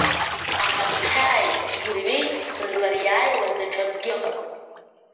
Аха схьааи сгәырҩеи сызлариааиуаз даҽакгьы ыҟан.